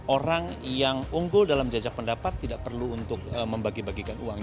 orang yang unggul dalam jajak pendapat tidak perlu untuk membagi bagikan uang